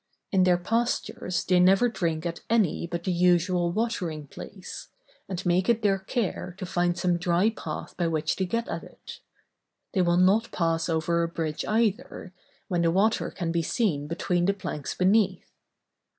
In their pastures they never drink at any but the usual watering place, and make it their care to find some dry path by which to get at it. They will not pass over a bridge either, when the water can be seen between the planks beneath.